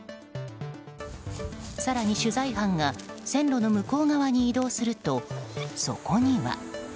更に取材班が線路の向こう側に移動すると、そこには。